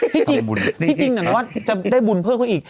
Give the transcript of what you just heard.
พี่จริงพี่จริงอ่ะนะว่าจะได้บุญเพิ่มคนอีก